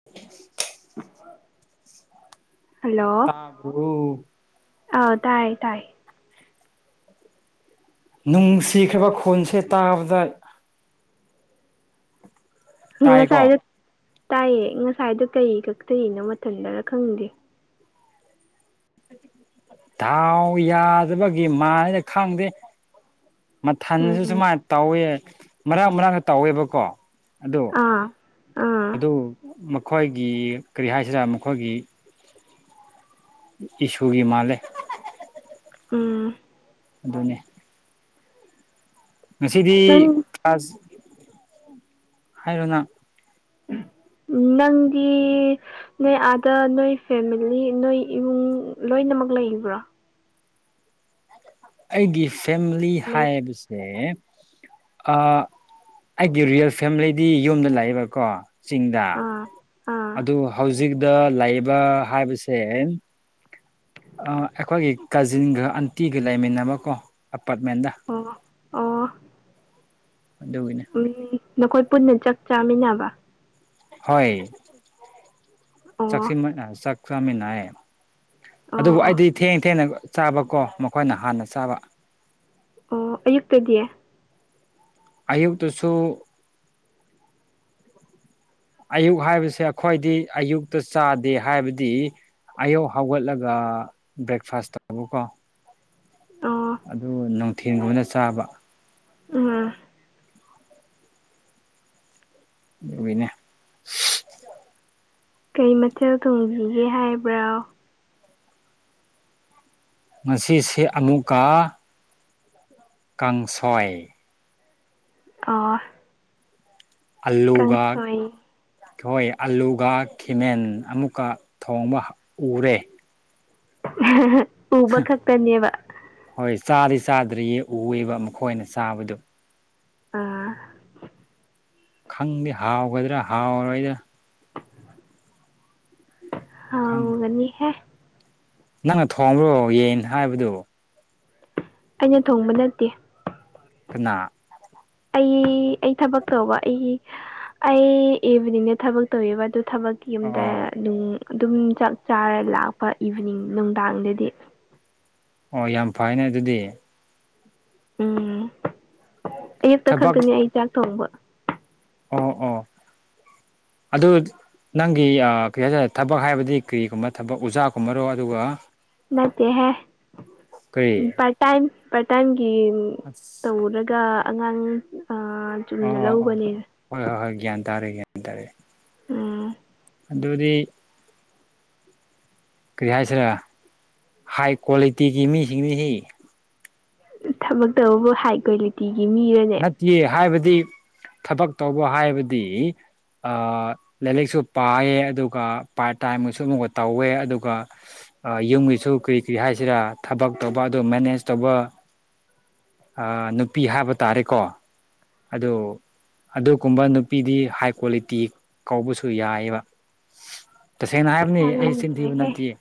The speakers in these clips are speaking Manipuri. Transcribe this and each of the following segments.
[inaudible] ꯍꯜꯂꯣ꯫ ꯇꯥꯕꯔꯣ ꯑꯥꯎ ꯇꯥꯏꯌꯦ ꯇꯥꯏꯌꯦ꯫ ꯅꯨꯡꯁꯤꯈ꯭ꯔꯕ ꯈꯣꯟꯁꯦ ꯇꯥꯕꯗ ꯇꯥꯏꯀꯣ ꯉꯁꯥꯏꯗꯨ ꯇꯥꯏꯌꯦ ꯉꯁꯥꯏꯗꯣ ꯀꯩꯒꯤ ꯀꯛꯆꯒꯩꯅꯣ ꯃꯊꯟꯇꯒ ꯈꯪꯗꯦ꯫ ꯗꯥꯎ ꯌꯥꯗꯕꯒꯤ ꯃꯥꯜꯂꯤ ꯈꯪꯗꯦ꯫ ꯎꯝ ꯃꯊꯟꯗꯁꯨ ꯎꯝ ꯁꯨꯃꯥꯏꯅ ꯇꯧꯋꯦ ꯃꯔꯛ ꯃꯔꯛꯇ ꯇꯧꯋꯦꯕꯀꯣ꯫ ꯑꯗꯣ ꯑꯥ ꯑꯥ ꯑꯗꯨ ꯃꯈꯣꯏꯒꯤ ꯀꯔꯤ ꯍꯥꯏꯁꯤꯔꯥ ꯃꯈꯣꯏꯒꯤ ꯏꯁꯨꯒꯤ ꯃꯥꯜꯂꯦ꯫ ꯎꯝ ꯑꯗꯨꯅꯦ꯫ ꯉꯁꯤꯗꯤ ꯅꯪ ꯀꯂ꯭ꯥꯁ ꯍꯥꯏꯔꯣꯅꯪ꯫ ꯅꯪꯗꯤ꯫ ꯅꯣꯏ ꯑꯥꯗ ꯅꯣꯏ ꯐꯦꯃꯤꯂꯤ ꯅꯣꯏ ꯏꯃꯨꯡ ꯂꯣꯏꯅꯃꯛ ꯂꯩꯕ꯭ꯔꯣ꯫ ꯑꯩꯒꯤ ꯐꯦꯃꯤꯂꯤ ꯂꯩ ꯍꯥꯏꯕꯁꯦ [unintelligible] ꯑ ꯑꯩꯒꯤ ꯔꯤꯌꯦꯜ ꯐꯦꯃꯤꯂꯤꯗꯤ ꯌꯨꯝꯗ ꯂꯩꯕꯀꯣ꯫ ꯆꯤꯡꯗ ꯑꯥ ꯑꯥ ꯑꯗꯨ ꯍꯧꯖꯤꯛꯇ ꯂꯩꯕ ꯍꯥꯏꯕꯁꯦ ꯑ ꯑꯩꯈꯣꯏꯒꯤ ꯀꯖꯤꯟꯒ ꯑꯟꯇꯤꯒ ꯂꯩꯃꯤꯟꯅꯕꯀꯣ ꯑꯄꯥꯔꯠꯃꯦꯟꯗ꯫ ꯑꯣ ꯑꯣ ꯑꯗꯨꯒꯤꯅꯤ꯫ ꯅꯈꯣꯏ ꯄꯨꯟꯅ ꯆꯥꯛ ꯆꯥꯃꯤꯟꯅꯕ꯫ ꯍꯣꯏ ꯑꯣ ꯆꯥꯛꯁꯤ ꯆꯥꯛ ꯆꯥꯃꯤꯟꯅꯩ꯫ ꯑꯣ ꯑꯗꯨꯕꯨ ꯑꯣ ꯑꯩꯗꯤ ꯊꯦꯡ ꯊꯦꯡꯅ ꯆꯥꯕꯀꯣ ꯃꯈꯣꯏꯅ ꯍꯥꯟꯅ ꯆꯥꯕ꯫ ꯑꯣ ꯑꯌꯨꯛꯇꯗꯤ꯫ ꯑꯌꯨꯛꯇꯁꯨ꯫ ꯑꯌꯨꯛ ꯍꯥꯏꯕꯁꯦ ꯑꯩꯈꯣꯏꯗꯤ ꯑꯌꯨꯛꯇ ꯆꯥꯗꯦ ꯍꯥꯏꯕꯗꯤ꯫ ꯑꯌꯨꯛ ꯍꯧꯒꯠꯂꯒ ꯕ꯭ꯔꯦꯛꯐꯥꯁ ꯇꯧꯕꯀꯣ꯫ ꯑꯣ ꯑꯗꯨ ꯅꯨꯡꯊꯦꯝꯒꯨꯝꯅ ꯆꯥꯕ꯫ ꯎꯝ ꯑꯗꯨꯒꯤꯅꯦ ꯀꯩ ꯃꯊꯦꯜ ꯊꯣꯡꯕꯤꯒꯦ ꯍꯥꯏꯕ꯭ꯔꯣ ꯉꯁꯤꯁꯦ ꯑꯃꯨꯛꯀ ꯀꯥꯡꯁꯣꯏ ꯑꯣ ꯑꯜꯂꯨꯒꯥꯛ ꯀꯥꯡꯁꯣꯏ ꯍꯣꯏ ꯑꯂꯨꯒ ꯈꯤꯃꯦꯟ ꯑꯃꯨꯛꯀ ꯊꯣꯡꯕꯍ ꯎꯔꯦ ꯎꯕ ꯈꯛꯇꯅꯦꯕ ꯍꯣꯏ ꯆꯥꯗꯤ ꯆꯥꯗ꯭ꯔꯤꯌꯦ ꯎꯋꯦꯕ ꯃꯈꯣꯏꯅ ꯆꯥꯕꯗꯣ ꯑꯥ ꯈꯪꯗꯦ ꯍꯥꯎꯒꯗ꯭ꯔꯥ ꯍꯥꯎꯔꯣꯏꯗ꯭ꯔꯥ ꯍꯥ ꯈꯪꯗꯦ ꯃꯤꯍꯦ ꯅꯪꯅ ꯊꯣꯡꯕ꯭ꯔꯣ ꯌꯦꯟ ꯍꯥꯏꯕꯗꯨ ꯑꯩꯅ ꯊꯣꯡꯕ ꯅꯠꯇꯦ ꯀꯅꯥ ꯑꯩ ꯑꯩ ꯊꯕꯛ ꯇꯧꯕ ꯑꯩꯒꯤ ꯑꯩ ꯏꯕꯅꯤꯅ ꯊꯕꯛ ꯇꯧꯋꯦꯕ ꯑꯗꯨ ꯊꯕꯛ ꯑꯣ ꯌꯨꯝꯗꯅꯨꯡ ꯑꯗꯨꯝ ꯆꯥꯛ ꯆꯥꯔ ꯂꯥꯛꯄ ꯏꯚꯤꯅꯤꯡ ꯅꯨꯡꯗꯥꯡꯗꯗꯤ ꯑꯣ ꯌꯥꯝ ꯐꯥꯏꯅꯦ ꯑꯗꯨꯗꯤ ꯎꯝ ꯑꯌꯨꯛꯇ ꯊꯕꯛ ꯈꯛꯇꯅꯤ ꯑꯩ ꯆꯥꯛ ꯊꯣꯡꯕ ꯑꯣ ꯑꯣ ꯑꯗꯨ__ ꯅꯪꯒꯤ ꯑꯥ ꯀꯔꯤ ꯍꯥꯏꯇꯥꯔꯦ ꯊꯕꯛ ꯍꯥꯏꯕꯗꯤ ꯀꯩꯒꯨꯝꯕ ꯊꯕꯛ ꯑꯣꯖꯥꯀꯨꯝꯕꯔꯣ ꯑꯗꯨꯒ ꯅꯠꯇꯦꯍꯦ ꯀꯔꯤ ꯄꯥꯔ ꯇꯥꯏꯝ ꯄꯥꯔ ꯇꯥꯏꯝꯒꯤ ꯑꯁ ꯎꯔꯒ ꯑꯉꯥꯡ ꯑꯥ ꯆꯨꯝꯅ ꯑꯣ ꯑꯣ ꯂꯧꯕꯅꯦ ꯍꯣꯏ ꯍꯣꯏ ꯍꯣꯏ ꯒꯌꯥꯟ ꯇꯥꯔꯦ ꯒ꯭ꯌꯥꯟ ꯇꯥꯔꯦ ꯎꯝ ꯑꯗꯨꯗꯤ ꯀꯔꯤ ꯍꯥꯏꯁꯤꯔ ꯍꯥꯏ ꯀ꯭ꯋꯥꯂꯤꯇꯤꯒꯤ ꯃꯤꯁꯤꯡꯅꯤ ꯍꯤ ꯎꯝ ꯊꯕꯛꯛꯇꯧꯕꯨ ꯍꯥꯏ ꯀ꯭ꯋꯥꯂꯤꯇꯤꯒꯤ ꯃꯤꯔꯟ ꯆꯦ ꯍꯥꯏꯕꯗꯤ ꯊꯕꯛ ꯇꯧꯕ ꯍꯥꯏꯕꯗꯤ ꯑꯥ ꯂꯥꯏꯂꯤꯛꯁꯨ ꯄꯥꯏꯌꯦ ꯑꯗꯨꯒ ꯄꯥꯔꯠ ꯇꯥꯏꯝ ꯑꯣꯏꯁꯨ ꯑꯃꯨꯛꯒ ꯇꯧꯋꯦ ꯑꯗꯨꯒ ꯑꯥ ꯌꯨꯝꯒꯤꯁꯨ ꯀꯔꯤ ꯀꯔꯤ ꯍꯥꯏꯁꯤꯔꯥ ꯊꯕꯛ ꯇꯧꯕ ꯑꯗꯨ ꯃꯦꯅꯦꯖ ꯇꯧꯕ ꯑꯥ ꯅꯨꯄꯤ ꯍꯥꯏꯕ ꯇꯥꯔꯦꯀꯣ ꯑꯗꯨ ꯑꯗꯨꯒꯨꯝꯕ ꯅꯨꯄꯤꯗꯤ ꯍꯥꯏ ꯀ꯭ꯋꯥꯂꯤꯇꯤ ꯀꯧꯕꯁꯨ ꯌꯥꯏꯌꯦꯕ ꯇꯁꯦꯡꯅ ꯍꯥꯏꯕꯅꯤ ꯑꯩ ꯆꯤꯟ ꯊꯤꯕ ꯈꯪꯗ꯭ꯔꯦꯍꯦ ꯅꯠꯇꯤꯌꯦ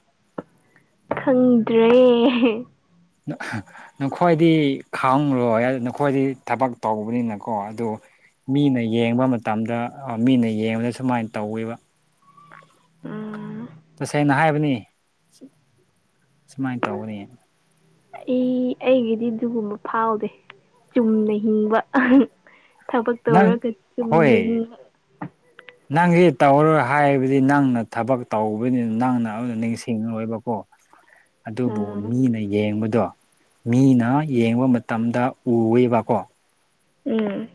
ꯈꯪꯗ꯭ꯔꯦ ꯅꯣ ꯑꯍꯥ ꯅꯈꯣꯏꯗꯤ ꯈꯥꯡꯔꯣꯏ ꯑꯌꯨ ꯅꯈꯣꯏꯗꯤ ꯊꯕꯛ ꯇꯧꯕꯅꯤꯅꯀꯣ ꯑꯗꯨ ꯃꯤꯅ ꯌꯦꯡꯕ ꯃꯇꯝꯗ ꯑꯥ ꯃꯤꯅ ꯌꯦꯡꯕꯗ ꯁꯨꯃꯥꯏꯟ ꯇꯧꯋꯦꯕ ꯇꯁꯦꯡꯅ ꯍꯥꯏꯕꯅꯤ ꯁꯨꯃꯥꯏꯅ ꯇꯧꯒꯅꯤ ꯏ ꯑꯩꯒꯤꯗꯤ ꯑꯗꯨꯒꯨꯝꯕ ꯐꯥꯎꯗꯦ ꯆꯨꯝꯅ ꯍꯤꯡꯕ ꯊꯕꯛ ꯇꯧꯔꯒ ꯆꯨꯝꯅ ꯍꯤꯡꯕ [inaudible] ꯅꯪꯁꯦ ꯇꯧꯔꯣꯏ ꯍꯥꯏꯕꯗꯤ ꯅꯪꯅ ꯊꯕꯛ ꯇꯧꯕꯅꯤꯅ ꯅꯪꯅ ꯑꯗꯨ ꯅꯤꯡꯁꯤꯡꯉꯣꯏꯕꯀꯣ [inaudible] ꯑꯗꯨꯕꯨ ꯎꯝ ꯃꯤꯅ ꯌꯦꯡꯕꯗꯣ ꯃꯤꯅ ꯌꯦꯡꯕ ꯃꯇꯝꯗ ꯎꯌꯦꯕꯀꯣ ꯎꯝ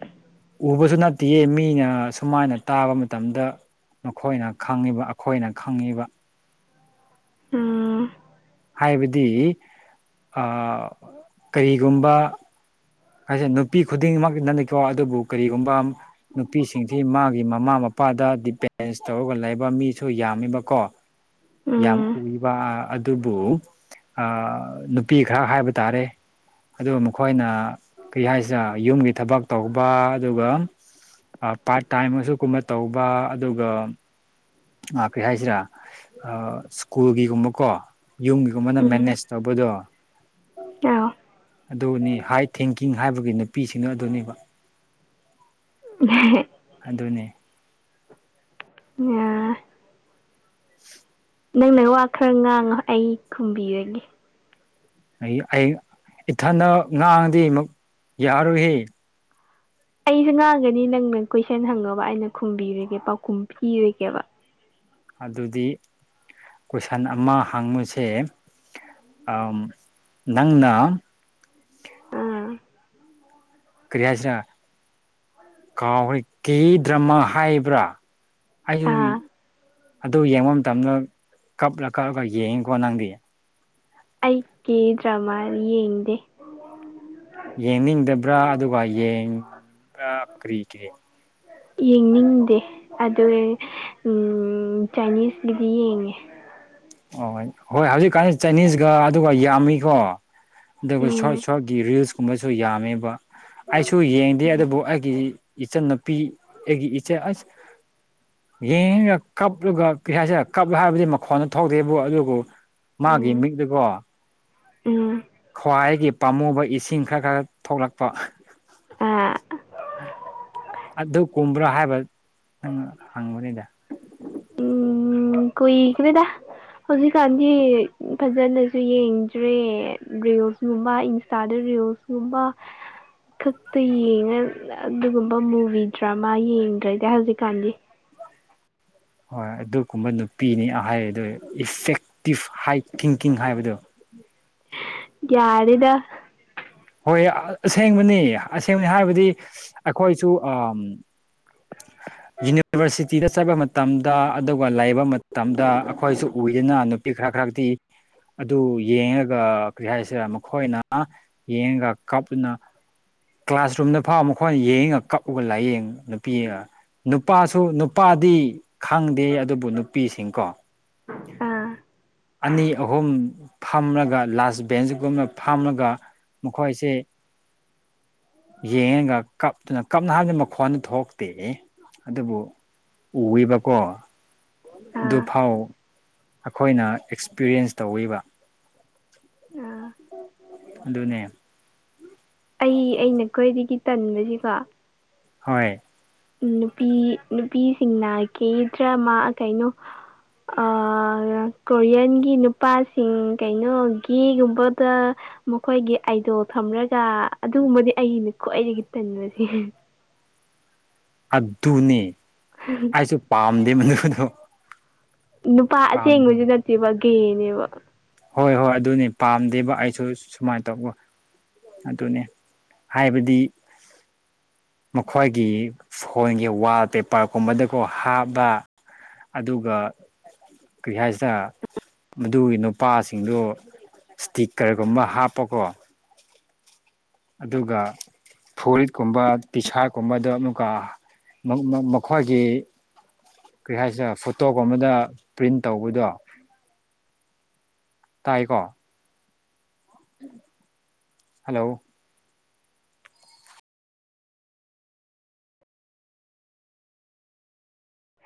ꯎꯕꯁꯨ ꯅꯠꯇꯦꯌꯦ ꯃꯤꯅ ꯁꯨꯃꯥꯏꯅ ꯇꯥꯕ ꯃꯇꯝꯗ ꯃꯈꯣꯏꯅ ꯈꯪꯉꯤꯕ ꯑꯈꯣꯏꯅ ꯈꯪꯉꯤꯕ ꯎꯝ ꯍꯥꯏꯕꯗꯤ ꯑ ꯀꯔꯤꯒꯨꯝꯕ ꯍꯥꯏꯁꯦ ꯅꯨꯄꯤ ꯈꯨꯗꯤꯡꯃꯛꯅꯤꯀꯣ ꯑꯗꯨꯕꯨ ꯀꯔꯤꯒꯨꯝꯕ ꯅꯨꯄꯤꯁꯤꯡꯁꯤ ꯃꯥꯒꯤ ꯃꯃꯥ ꯃꯄꯥꯗ ꯗꯤꯄꯦꯟꯁ ꯇꯧꯔꯒ ꯂꯩꯕ ꯃꯤꯁꯨ ꯌꯥꯝꯃꯤꯕꯀꯣ ꯌꯥꯝ ꯎꯝ ꯎꯏꯕ ꯑꯗꯨꯕꯨ ꯑ ꯅꯨꯄꯤ ꯈꯔ ꯍꯥꯏꯕ ꯇꯥꯔꯦ ꯑꯗꯨꯕꯨ ꯃꯈꯣꯏꯅ ꯀꯩ ꯍꯥꯏꯁꯤꯔ ꯌꯨꯝꯒꯤ ꯊꯕꯛ ꯇꯧꯕ ꯑꯗꯨꯒ ꯑ ꯄꯥꯔꯠ ꯇꯥꯏꯝꯃꯁꯨ ꯀꯨꯝꯕ ꯇꯧꯕ ꯑꯗꯨꯒ ꯑ ꯀꯔꯤ ꯍꯥꯏꯁꯤꯔ ꯑ ꯁ꯭ꯀꯨꯜꯒꯤꯒꯨꯝꯕꯀꯣ ꯌꯨꯝꯒꯤꯒꯨꯝꯕꯅ ꯎꯝ ꯃꯦꯅꯦꯖ ꯇꯧꯕꯗꯣ ꯑꯥꯎ ꯑꯗꯨꯅꯤ ꯍꯥꯏ ꯊꯤꯡꯀꯤꯡ ꯍꯥꯏꯕꯒꯤ ꯅꯨꯄꯤꯁꯤꯡꯅ ꯑꯗꯨꯅꯦꯕ [unintelligible] ꯑꯗꯨꯅꯤ ꯎꯝꯌꯥ ꯅꯪꯅ ꯋꯥ ꯈꯔ ꯉꯥꯡꯉꯣ ꯑꯩ ꯈꯨꯝꯕꯤꯔꯒꯦ ꯑꯩ ꯑꯩ ꯏꯊꯟꯅ ꯉꯥꯡꯉꯗꯤ ꯑꯃꯨ ꯌꯥꯔꯣꯏꯍꯦ ꯑꯩꯁꯨ ꯉꯥꯡꯒꯅꯤ ꯅꯪꯅ ꯀꯣꯏꯁꯟ ꯍꯪꯉꯣꯕ ꯑꯩꯅ ꯈꯨꯝꯕꯤꯔꯒꯦ ꯄꯥꯎꯈꯨꯝ ꯄꯤꯔꯒꯦꯕ ꯑꯗꯨꯗꯤ ꯀꯣꯏꯁꯟ ꯑꯃ ꯍꯪꯕꯁꯦ ꯑ ꯅꯪꯅ ꯑꯥ ꯀꯔꯤ ꯍꯥꯏꯁꯤꯔ ꯀꯥꯎꯈ꯭ꯔꯦ ꯀꯦ ꯗ꯭ꯔꯃꯥ ꯍꯥꯏꯕ꯭ꯔꯥ ꯑꯩꯁꯨ ꯑꯥ ꯑꯗꯨ ꯌꯦꯡꯕ ꯃꯇꯝꯗ ꯀꯞꯂ ꯀꯞꯂꯒ ꯌꯦꯡꯉꯤꯀꯣ ꯅꯪꯗꯤ ꯑꯩ ꯀꯦ ꯗ꯭ꯔꯃꯥ ꯌꯦꯡꯗꯦ ꯌꯦꯡꯅꯤꯡꯗꯕ꯭ꯔꯥ ꯑꯗꯨꯒ ꯌꯦꯡꯕ꯭ꯔꯥ ꯀꯔꯤꯒꯤ ꯌꯦꯡꯅꯤꯡꯗꯦ ꯑꯗꯨꯏ ꯎꯝ ꯆꯥꯏꯅꯤꯁꯀꯤꯗꯤ ꯌꯦꯡꯉꯦ ꯑꯣ ꯍꯣꯏ ꯍꯧꯖꯤꯛꯀꯥꯟꯗꯤ ꯆꯥꯏꯅꯤꯁꯒ ꯑꯗꯨꯒ ꯌꯥꯝꯃꯤꯀꯣ ꯑꯗꯨꯒ ꯎꯝ ꯁꯣꯔꯠ ꯁꯣꯔꯠꯀꯤ ꯔꯤꯜꯁ ꯀꯨꯝꯕꯁꯨ ꯌꯥꯝꯃꯦꯕ ꯑꯩꯁꯨ ꯌꯦꯡꯗꯦ ꯑꯗꯨꯕꯨ ꯑꯩꯒꯤ ꯏꯆꯟꯅꯨꯄꯤ ꯑꯩꯒꯤ ꯏꯆꯦ ꯑꯁ ꯌꯦꯡꯉꯒ ꯀꯞꯂꯒ ꯀꯩ ꯍꯥꯏꯁꯤꯔ ꯀꯞꯂ ꯍꯥꯏꯕꯗꯤ ꯃꯈꯣꯟꯅ ꯊꯧꯗꯦꯕꯨ ꯑꯗꯨꯕꯨ ꯃꯥꯒꯤ ꯎꯝ ꯃꯤꯛꯇꯀꯣ ꯎꯝ ꯈ꯭ꯋꯥꯏꯒꯤ ꯄꯥꯝꯃꯨꯕ ꯏꯁꯤꯡ ꯈꯔ ꯈꯔ ꯊꯣꯛꯂꯛꯄ ꯑꯥ ꯑꯗꯨ ꯀꯨꯝꯕ꯭ꯔꯥ ꯍꯥꯏꯕ ꯅꯪ ꯍꯥꯡꯕꯅꯤꯗ ꯎꯝ ꯀꯨꯢꯈ꯭ꯔꯦꯗ ꯍꯧꯖꯤꯛꯀꯥꯟꯗꯤ ꯐꯖꯅꯁꯨ ꯌꯦꯡꯗ꯭ꯔꯦ ꯔꯤꯜꯁꯒꯨꯝꯕ ꯏꯟꯁꯇꯥꯗ ꯔꯤꯜꯁ ꯒꯨꯝꯕ ꯈꯛꯇ ꯌꯦꯡꯉ ꯑꯗꯨꯒꯨꯝꯕ ꯃꯨꯚꯤ ꯗ꯭ꯔꯃꯥ ꯌꯦꯡꯗ꯭ꯔꯦꯗꯤ ꯍꯧꯖꯤꯛꯀꯥꯟꯗꯤ ꯍꯣꯏ ꯑꯗꯨꯒꯨꯝꯕ ꯅꯨꯄꯤꯅꯤ ꯍꯥꯏ ꯑꯗꯨ ꯏꯐꯦꯛꯇꯤꯞ ꯍꯥꯏ ꯊꯤꯡꯀꯤꯡ ꯍꯥꯏꯕꯗꯣ ꯌꯥꯔꯦꯗ ꯍꯣꯏ ꯑꯁꯦꯡꯕꯅꯤ ꯑꯁꯦꯡꯕꯅꯤ ꯍꯥꯏꯕꯗꯤ ꯑꯩꯈꯣꯏꯁꯨ ꯑꯝ [inaudible] ꯌꯨꯅꯤꯚ꯭ꯔꯁꯤꯇꯤꯗ ꯆꯠꯄ ꯃꯇꯝꯗ ꯑꯗꯨꯒ ꯂꯩꯕ ꯃꯇꯝꯗ ꯑꯩꯈꯣꯏꯁꯨ ꯎꯌꯦꯅ ꯈꯔ ꯈꯔꯗꯤ ꯑꯗꯨ ꯌꯦꯡꯉꯒ ꯀꯔꯤ ꯍꯥꯏꯁꯤꯔꯥ ꯃꯈꯣꯏꯅ ꯌꯦꯡꯉꯒ ꯀꯥꯞꯅ ꯀ꯭ꯂꯥꯁꯔꯨꯝꯗ ꯐꯥꯎ ꯃꯈꯣꯏꯅ ꯌꯦꯡꯉꯒ ꯀꯛꯎꯒ ꯂꯥꯏꯌꯦꯡ ꯅꯨꯄꯤꯒ ꯅꯨꯄꯥꯁꯨ ꯅꯨꯄꯥꯗꯤ ꯈꯪꯗꯦ ꯑꯗꯨꯕꯨ ꯅꯨꯄꯤꯁꯤꯡꯀꯣ ꯑꯥ ꯑꯅꯤ ꯑꯍꯨꯝ ꯐꯝꯂꯒ ꯂꯥꯁ ꯕꯦꯟꯁꯒꯨꯝꯅ ꯐꯝꯔꯒ ꯃꯈꯣꯏꯁꯦ ꯌꯦꯡꯉꯒ ꯀꯞꯇꯨꯅ ꯀꯞꯅ ꯍꯥꯏꯗꯤ ꯃꯈꯣꯟꯗꯤ ꯊꯣꯛꯇꯦ ꯍꯦ ꯑꯗꯨꯕꯨ ꯎꯋꯦꯕꯀꯣ ꯑꯥ ꯑꯗꯨꯐꯥꯎ ꯑꯩꯈꯣꯏꯅ ꯑꯦꯛꯁꯄꯤꯔꯤꯟꯁ ꯇꯧꯋꯦꯕ ꯑꯥ ꯑꯗꯨꯅꯦ ꯑꯩ ꯑꯩꯅ ꯀꫭꯏꯗꯒꯤ ꯇꯟꯕꯖꯤꯀꯣ ꯍꯣꯏ ꯅꯨꯄꯤ ꯅꯨꯄꯤꯁꯤꯡꯅ ꯀꯦ ꯗ꯭ꯔꯥꯃꯥ ꯀꯩꯅꯣ ꯑꯥ ꯀꯣꯔꯤꯌꯟꯒꯤ ꯅꯨꯄꯥꯁꯤꯡ ꯀꯩꯅꯣ ꯒꯦ ꯒꯨꯝꯕꯗ ꯃꯈꯣꯏꯒꯤ ꯑꯥꯏꯗꯣꯜ ꯊꯝꯔꯒ ꯑꯗꯨꯒꯨꯝꯕꯗꯤ ꯑꯩꯅꯤꯀꯣ ꯈ꯭ꯋꯥꯏꯗꯒꯤ ꯇꯟꯕꯖꯦ ꯑꯗꯨꯅꯦ ꯑꯩꯁꯨ ꯄꯥꯝꯗꯦ ꯃꯗꯨꯗꯣ ꯅꯨꯄꯥ ꯄꯥꯝꯗꯦ ꯑꯁꯦꯡꯕꯖꯨ ꯅꯠꯇꯦꯕ ꯒꯦꯅꯦꯕ ꯍꯣꯏ ꯍꯣꯏ ꯑꯗꯨꯅꯦ ꯄꯥꯝꯗꯦꯕ ꯑꯩꯁꯨ ꯁꯨꯃꯥꯏꯅ ꯇꯧꯕ ꯑꯗꯨꯅꯦ ꯍꯥꯏꯕꯗꯤ ꯃꯈꯣꯏꯒꯤ ꯐꯣꯟꯒꯤ ꯋꯥꯜꯄꯦꯄꯔꯒꯨꯝꯕꯗꯒ ꯀꫭ ꯍꯥꯞꯄ ꯑꯗꯨꯒ ꯀꯔꯤ ꯍꯥꯏꯁꯤꯗ ꯃꯗꯨꯒꯤ ꯅꯨꯄꯥꯁꯤ ꯗꯣ ꯏꯁꯇꯤꯛꯀꯔ ꯒꯨꯝꯕ ꯍꯥꯞꯄꯀꯣ ꯑꯗꯨꯒ ꯐꯨꯔꯤꯠꯀꯨꯝꯕ ꯇꯤꯁꯥꯔꯠꯀꯨꯝꯕꯗꯣ ꯑꯃꯨꯛꯀ ꯃ ꯃ ꯃꯈꯣꯏꯒꯤ ꯀꯔꯤ ꯍꯥꯏꯁꯤꯔꯥ ꯐꯣꯇꯣꯒꯨꯝꯕꯗ ꯄ꯭ꯔꯤꯟ ꯇꯧꯕꯗꯣ ꯇꯥꯏꯀꯣ ꯍꯜꯂꯣ